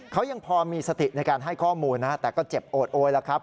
เขายังพอมีสติในการให้ข้อมูลนะฮะแต่ก็เจ็บโอดโอยแล้วครับ